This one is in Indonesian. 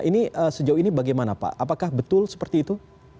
ini sejauh ini bagaimana pak apakah betul seperti itu